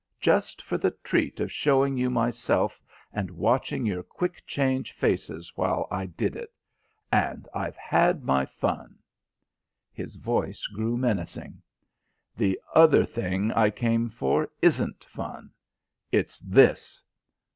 Just for the treat of showing you myself and watching your quick change faces while I did it. And I've had my fun." His voice grew menacing. "The other thing I came for isn't fun. It's this."